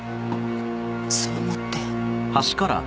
そう思って。